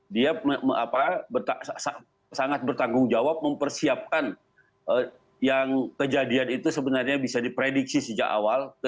dia sangat bertanggung jawab mempersiapkan yang kejadian itu sebenarnya bisa diprediksi sejak awal